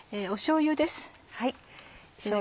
しょうゆです。